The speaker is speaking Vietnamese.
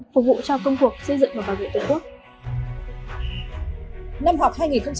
phục vụ cho công cuộc xây dựng và bảo vệ tổ quốc